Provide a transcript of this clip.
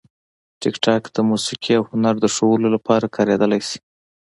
ټیکټاک د موسیقي او هنر د ښودلو لپاره کارېدلی شي.